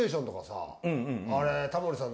あれタモリさん